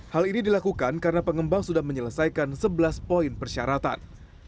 hal ini dilakukan karena pengembang sudah menyelesaikan sebelas poin persyaratan